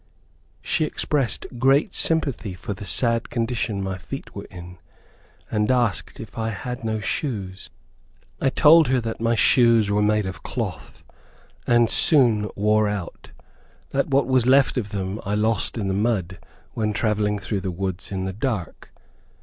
She expressed great sympathy for the sad condition my feet were in, and asked if I had no shoes? I told her that my shoes were made of cloth, and soon wore out; that what was left of them, I lost in the mud, when traveling through the woods in the dark.